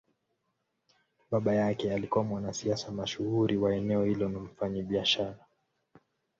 Baba yake alikuwa mwanasiasa mashuhuri wa eneo hilo na mfanyabiashara.